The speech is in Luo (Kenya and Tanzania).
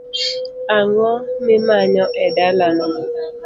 Ang'o mimanyo e dalana?